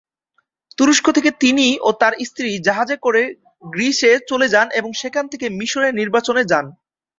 তুরস্ক থেকে তিনি ও তার স্ত্রী জাহাজে করে গ্রীসে চলে যান এবং সেখান থেকে মিশরে নির্বাচনে যান।